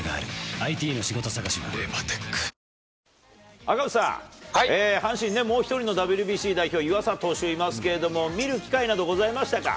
赤星さん、阪神ね、もう１人のＷＢＣ代表、湯浅投手いますけれども、見る機会などございましたか？